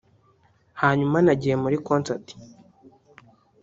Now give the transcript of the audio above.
Hanyuma nagiye muri concert